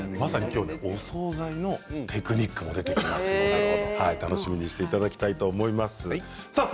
今日はお総菜のテクニックも出てきますので楽しみにしていただきたいと思います。